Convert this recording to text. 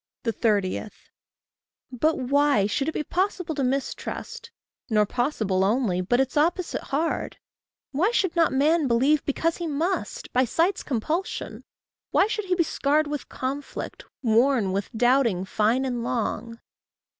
30. But why should it be possible to mistrust Nor possible only, but its opposite hard? Why should not man believe because he must By sight's compulsion? Why should he be scarred With conflict? worn with doubting fine and long?